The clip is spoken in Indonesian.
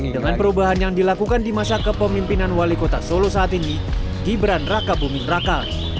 dengan perubahan yang dilakukan di masa kepemimpinan wali kota solo saat ini gibran raka buming raka